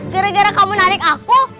gara gara kamu menarik aku